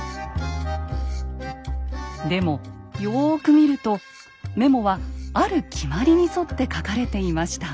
でもよく見るとメモはある決まりに沿って書かれていました。